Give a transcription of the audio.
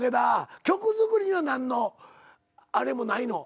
曲作りは何のあれもないの？